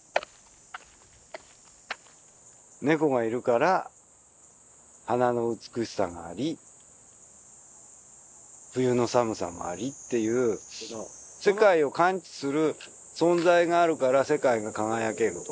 猫がいるから花の美しさがあり冬の寒さもありっていう世界を感知する存在があるから世界が輝けるとか。